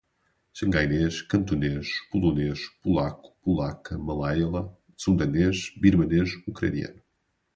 Xangainês, cantonês, polonês, polaco, polaca, malaiala, sundanês, birmanês, ucraniano